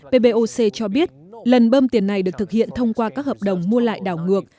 poc cho biết lần bơm tiền này được thực hiện thông qua các hợp đồng mua lại đảo ngược